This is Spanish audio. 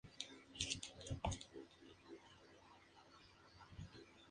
Recibió inmigración de Ucrania y Rusia central.